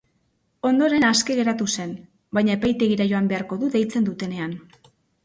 Ondoren aske geratu zen, baina epaitegira joan beharko du deitzen dutenean.